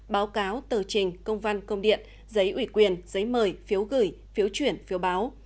báo cáo tờ trình công văn công điện giấy ủy quyền giấy mời phiếu gửi phiếu chuyển phiếu báo